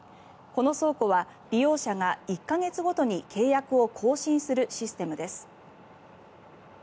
この倉庫は利用者が１か月ごとに契約を更新するシステムです。